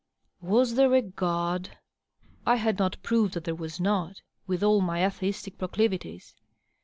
Was there a God? I had not proved that there was noty with all my atheistic proclivities.